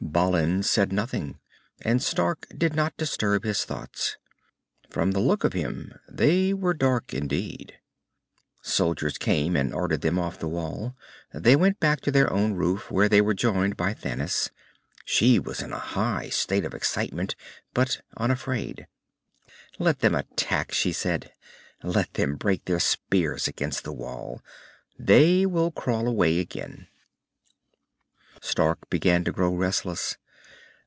Balin said nothing, and Stark did not disturb his thoughts. From the look of him, they were dark indeed. Soldiers came and ordered them off the Wall. They went back to their own roof, where they were joined by Thanis. She was in a high state of excitement, but unafraid. "Let them attack!" she said. "Let them break their spears against the Wall. They will crawl away again." Stark began to grow restless.